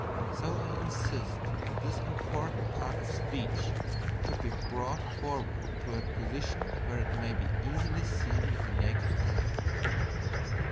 So I insist that this important part of speech should be brought forward to a position where it may be easily seen with the naked eye.